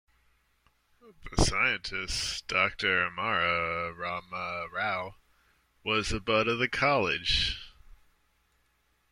The scientist Doctor Amara rama Rao was a bud of the college.